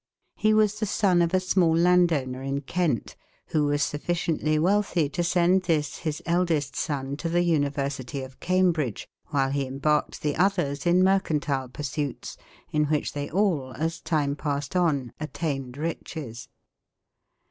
He was the son of a small landowner in Kent, who was sufficiently wealthy to send this, his eldest son, to the University of Cambridge; while he embarked the others in mercantile pursuits, in which they all, as time passed on, attained riches.